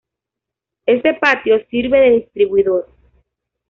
Este patio sirve de distribuidor.